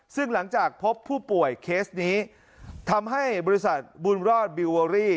ซึ่งหลังจากพบผู้ป่วยเคสนี้ทำให้บริษัทบุญรอดบิลเวอรี่